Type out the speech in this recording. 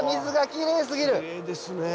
きれいですねえ。